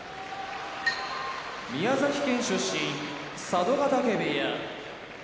宮崎県出身佐渡ヶ嶽部屋